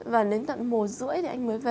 và đến tận một rưỡi thì anh mới về